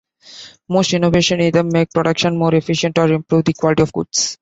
Most innovations either make production more efficient, or improve the quality of goods.